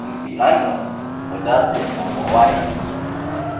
Oon bi’anoo o dartee gam o waree.